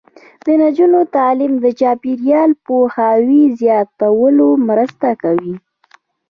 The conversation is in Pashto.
د نجونو تعلیم د چاپیریال پوهاوي زیاتولو مرسته کوي.